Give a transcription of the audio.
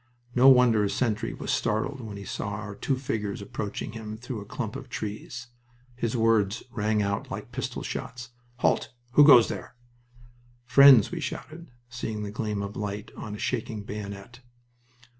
No wonder a sentry was startled when he saw our two figures approaching him through a clump of trees. His words rang out like pistol shots. "Halt! Who goes there?" "Friends!" we shouted, seeing the gleam of light on a shaking bayonet.